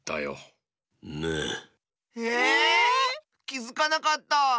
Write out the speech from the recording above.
きづかなかった。